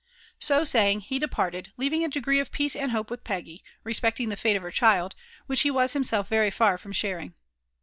So saying, he departed, leaving a degree of peace and hope with Peggy, respecting the lale of her child, which be wm himself very far from sharing.